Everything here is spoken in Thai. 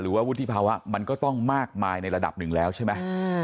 หรือว่าพฤทธิ์ภาคมันก็ต้องมากมายในระดับหนึ่งแล้วใช่มั้ย